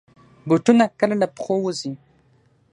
بوټونه کله له پښو وځي.